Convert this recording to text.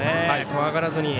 怖がらずに。